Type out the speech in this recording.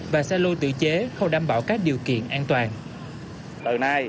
và xe lôi tự chế không đảm bảo các điều kiện an toàn